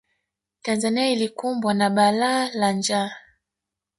tanzania ilikumbwa na bala la njaa